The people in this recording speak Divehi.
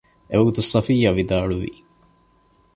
އެވަގުތު ޞަފިއްޔާ ވިދާޅުވި